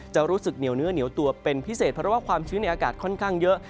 จะรู้สึกเหนียวเนื้อเหนียวตัวเป็นพิเศษเพราะว่าความชื้นในอากาศค่อนข้างเยอะ